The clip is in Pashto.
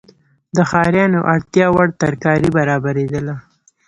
د ښاریانو اړتیاوړ ترکاري برابریدله.